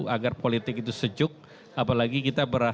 agar politik itu sejuk apalagi kita berhasil